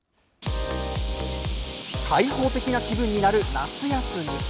開放的な気分になる夏休み。